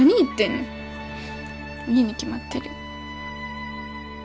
いいに決まってる。